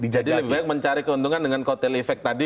jadi lebih baik mencari keuntungan dengan kotel efek tadi